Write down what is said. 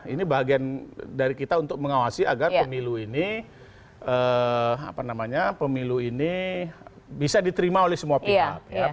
ini bagian dari kita untuk mengawasi agar pemilu ini pemilu ini bisa diterima oleh semua pihak